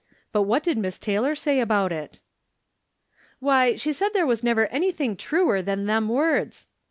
But what did Miss Taylor say about it ?"" Why, she said there was never anything truer than them words.